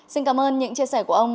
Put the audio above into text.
xin cảm ơn những chia sẻ của ông